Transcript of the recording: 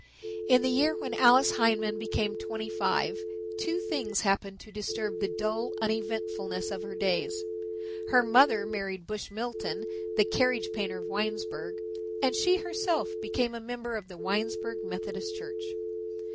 In the year when Alice Hindman became twenty five two things happened to disturb the dull uneventfulness of her days. Her mother married Bush Milton, the carriage painter of Winesburg, and she herself became a member of the Winesburg Methodist Church.